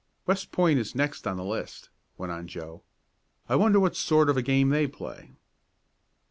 "West Point is next on the list," went on Joe. "I wonder what sort of a game they play?"